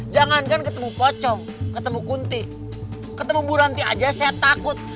jangan kan ketemu pocong ketemu kunti ketemu buranti aja saya takut